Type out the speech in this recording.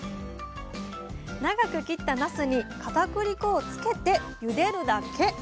長く切ったなすにかたくり粉をつけてゆでるだけ！